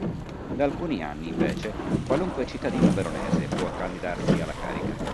Da alcuni anni, invece, qualunque cittadino veronese può candidarsi alla carica.